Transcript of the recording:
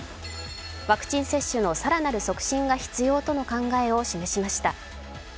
ワクチン接種の更なる促進が必要との考えを示しました。